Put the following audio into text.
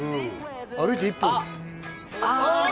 歩いて１分あっ！